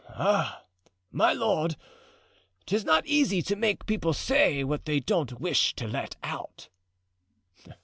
"Ah, my lord, 'tis not easy to make people say what they don't wish to let out."